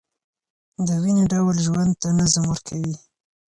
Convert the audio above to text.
دویني ډول ژوند ته نظم ورکوي.